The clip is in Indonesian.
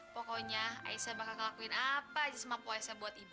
pokoknya aisyah bakal ngelakuin apa aja semua puasa buat ibu